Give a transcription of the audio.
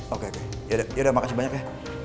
oke oke yaudah makasih banyak ya